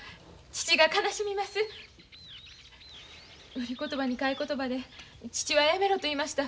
売り言葉に買い言葉で父はやめろと言いました。